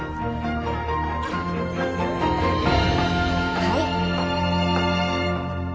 はい。